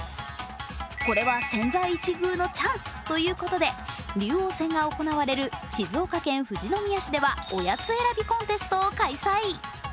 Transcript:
これは千載一遇のチャンスということで竜王戦が行われる静岡県富士宮市では、おやつ選びコンテストを開催。